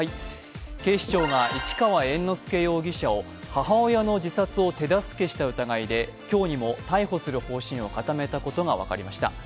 警視庁が市川猿之助容疑者を母親の自殺を手助けした疑いで今日にも逮捕する方針を固めたことが分かりました。